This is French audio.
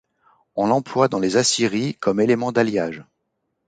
On l'emploie dans les aciéries comme élément d'alliage.